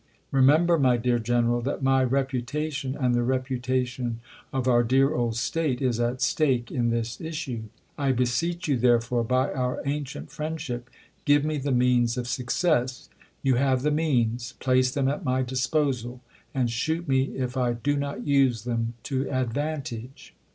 Remember, my dear General, that my reputa tion, and the reputation of our dear old State, is at stake Patterson i^^ this issue. I besccch you, therefore, by our ancient eroif j™ne friendship, give me the means of success. You have the 10, 1861. means ; place them at my disposal, and shoot me if I do II., p. 672.' not use them to advantage.